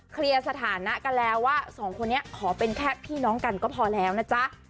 สถานะกันแล้วว่าสองคนนี้ขอเป็นแค่พี่น้องกันก็พอแล้วนะจ๊ะ